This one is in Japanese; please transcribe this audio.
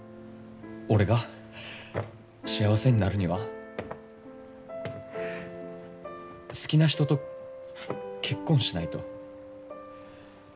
俺が幸せになるには好きな人と結婚しないと。